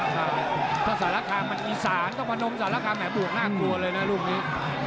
ถ้าสารคามมันอีสานต้องพนมสารคามแหมบวกน่ากลัวเลยนะลูกนี้